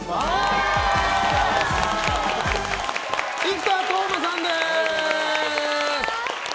生田斗真さんです！